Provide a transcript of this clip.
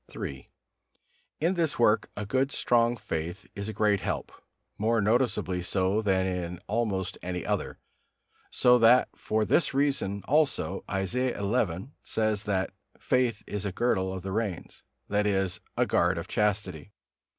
III. In this work a good strong faith is a great help, more noticeably so than in almost any other; so that for this reason also Isaiah xi. says that "faith is a girdle of the reins," that is, a guard of chastity.